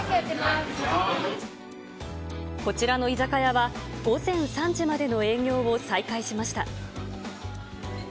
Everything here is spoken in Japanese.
こちらの居酒屋は、午前３時までの営業を再開しました。